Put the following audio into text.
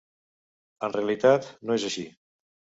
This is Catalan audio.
En realitat, no és així.